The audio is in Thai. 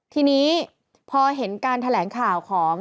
ทีนี้พอเห็นการแถลงข่าวของ